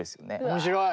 面白い！